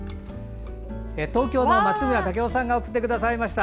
東京の松村武男さんが送ってくださいました。